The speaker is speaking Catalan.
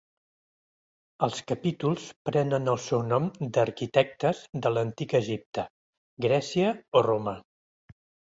Els capítols prenen el seu nom d'arquitectes de l'antic Egipte, Grècia o Roma.